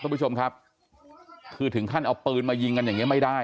คุณผู้ชมครับคือถึงขั้นเอาปืนมายิงกันอย่างเงี้ไม่ได้